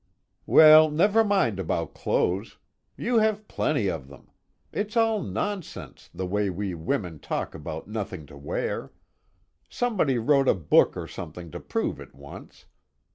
"Well, never mind about clothes. You have plenty of them. It's all nonsense, the way we women talk about nothing to wear. Somebody wrote a book or something to prove it once.